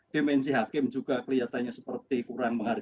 dimensi hakim juga kelihatannya seperti kurang menghargai